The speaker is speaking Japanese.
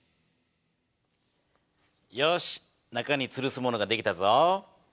よし中につるすものが出来たぞ。